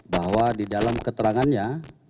bahwa di dalam keterangannya